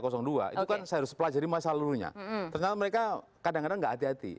itu kan saya harus pelajari masa lalunya ternyata mereka kadang kadang tidak hati hati